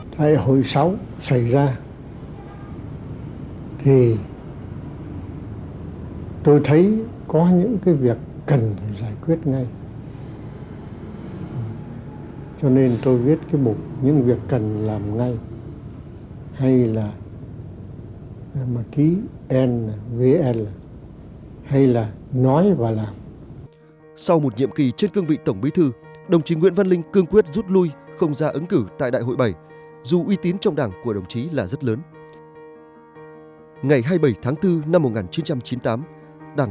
thật ra tôi thấy có những việc cần phải giải quyết ngay cho nên tôi viết cái bục những việc cần làm ngay hay là ký nvl hay là nói và làm